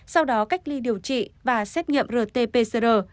sau đó cách ly điều trị và xét nghiệm rt pcr